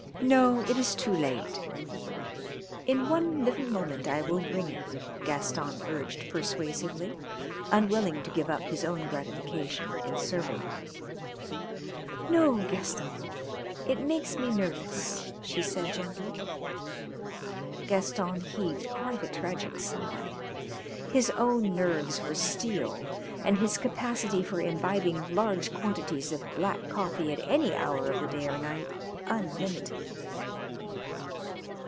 "No, it is too late." "In one little moment I will bring it," Gaston urged persuasively, unwilling to give up his own gratification in serving her. "No, Gaston. It makes me nervous," she said gently. Gaston heaved quite a tragic sigh. His own nerves were steel and his capacity for imbibing large quantities of black coffee at any hour of the day or night unlimited.